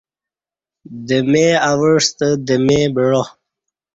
دمے اَوعستہ دمے بعا